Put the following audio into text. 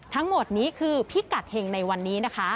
ทั้งหมดนี้คือพิกัดเห็งในวันนี้นะคะ